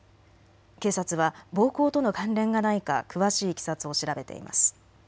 警察は暴行との関連がないか詳しいいきさつを調べています。